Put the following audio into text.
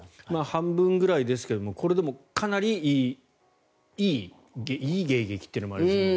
半分くらいですがこれでもかなりいい迎撃というのもあれですけど。